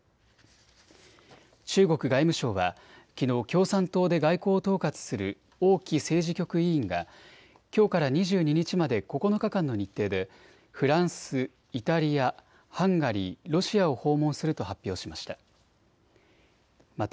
中国外務省はきのう共産党で外交を統括する王毅政治局委員がきょうから２２日まで９日間の日程でフランス、イタリア、ハンガリー、ロシアを訪問すると発表しました。